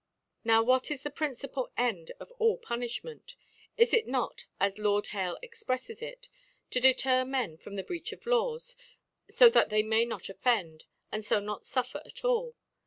Now what is the principal End of ail Pu ni. Hxment : Is it not as Lord % f^^^^ exprefTes k, • to deter Men from the Breath of LsLwt^ fo t^t they may m>t o6fedd, and fo not ibScr at all